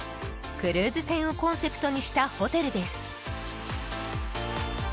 クルーズ船をコンセプトにしたホテルです。